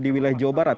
di wilayah jawa barat